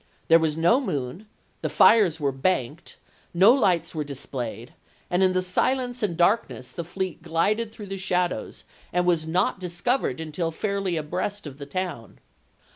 There was no moon ; the fires were banked ; no lights were displayed, and in the silence and darkness the fleet glided through the shadows, and was not discovered until THE CAMPAIGN OF THE BAYOUS 159 fairly abreast of the town.